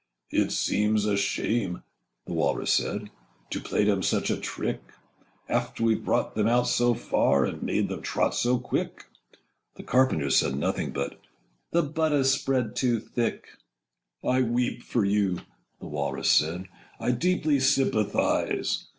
'It seems a shame,' the Walrus said, Â Â Â Â 'To play them such a trick, After we've brought them out so far, Â Â Â Â And made them trot so quick!' The Carpenter said nothing but Â Â Â Â 'The butter's spread too thick!' 'I weep for you,' the Walrus said. Â Â Â Â 'I deeply sympathize.